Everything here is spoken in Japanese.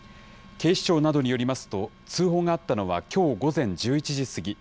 警視庁などによりますと、通報があったのはきょう午前１１時過ぎ。